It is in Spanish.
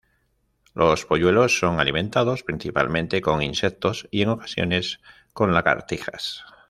Los polluelos son alimentados principalmente con insectos, y en ocasiones con lagartijas.